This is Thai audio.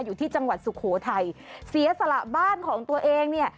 อยู่ที่จังหวัดสุโขทัยเสียสละบ้านของตัวเองเนี่ย